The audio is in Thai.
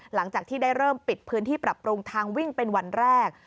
หลังจากที่ได้เริ่มปิดพื้นที่ปรับปรุงทางวิ่งเป็นวันแรก